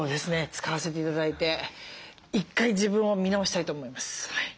使わせて頂いて１回自分を見直したいと思います。